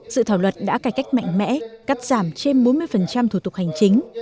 dự thảo luật đã cải cách mạnh mẽ cắt giảm trên bốn mươi thủ tục hành chính